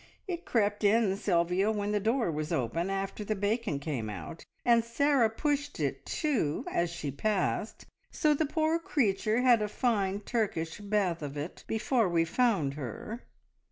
It crept in, Sylvia, when the door was open, after the bacon came out, and Sarah pushed it to as she passed, so the poor creature had a fine Turkish bath of it before we found her.